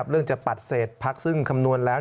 เรื่องจะปัดเศษพักซึ่งคำนวณแล้ว